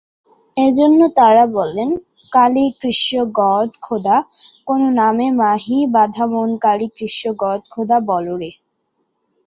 এজন্য তারা বলেন- কালী কৃষ্ণ গড খোদা কোন নামে নাহি বাধা মন কালী কৃষ্ণ গড খোদা বলো রে।